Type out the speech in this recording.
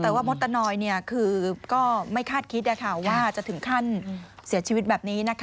แต่ว่ามดตะนอยคือก็ไม่คาดคิดว่าจะถึงขั้นเสียชีวิตแบบนี้